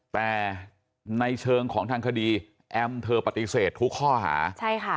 แต่ในเชิงของทางคดีแอมเธอปฏิเสธทุกข้อหาใช่ค่ะ